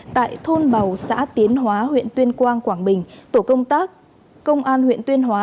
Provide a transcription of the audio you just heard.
tại thôn bào xã tiến hóa huyện tuyên quang quảng bình tổ công tác công an huyện tuyên hóa